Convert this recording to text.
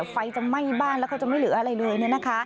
ไฟจะไหม้บ้านแล้วก็จะไม่เหลืออะไรเลย